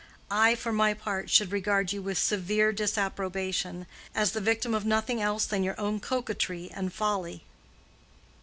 I, for my part, should regard you with severe disapprobation, as the victim of nothing else than your own coquetry and folly."